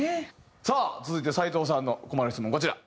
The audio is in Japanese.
さあ続いて斎藤さんの困る質問こちら。